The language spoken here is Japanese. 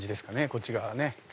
こっち側はね。